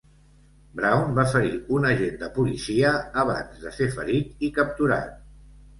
Brown va ferir un agent de policia abans de ser ferit i capturat.